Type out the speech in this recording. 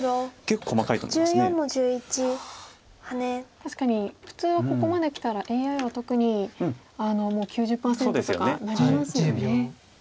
確かに普通はここまできたらＡＩは特に９０％とかなりますよね。